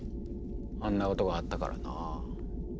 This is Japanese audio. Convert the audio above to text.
あんなことがあったからなぁ。